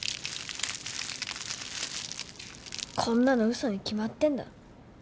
こんなの嘘に決まってんだろ。